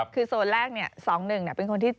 คือโซนแรกเนี่ยสองหนึ่งเป็นคนที่